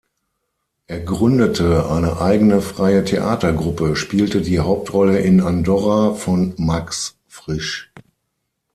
Er gründete eine eigene freie Theatergruppe, spielte die Hauptrolle in "Andorra" von Max Frisch.